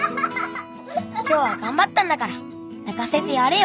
今日は頑張ったんだから泣かせてやれよ。